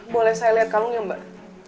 boleh saya liat kalung ya mbak